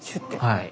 はい。